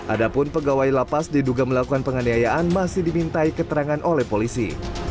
adapun pegawai lapas diduga melakukan penganiayaan masih dimintai keterangan oleh polisi